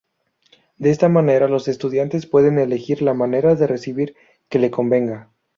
De esta manera los estudiantes pueden elegir la manera de recibir que le convenga.